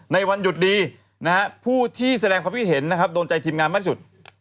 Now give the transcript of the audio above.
ในวันหยุดดีนะฮะผู้ที่แสดงความคิดเห็นนะครับโดนใจทีมงานมากสุด